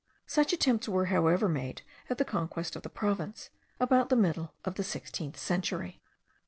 Such attempts were, however, made at the conquest of the province, about the middle of the sixteenth century.